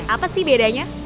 apa sih bedanya